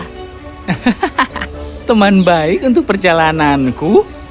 hahaha teman baik untuk perjalananku